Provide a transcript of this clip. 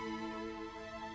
aku sudah berjalan